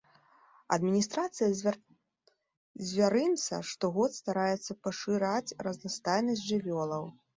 Адміністрацыя звярынца штогод стараецца пашыраць разнастайнасць жывёлаў.